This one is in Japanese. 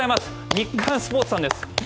日刊スポーツさんです。